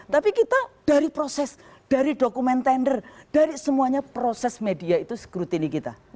tapi kita dari proses dari dokumen tender dari semuanya proses media itu secrut ini kita